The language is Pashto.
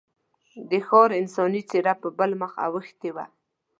د ښار انساني څېره په بل مخ اوښتې وه.